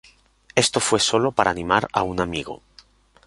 Esto fue sólo para animar a un amigo.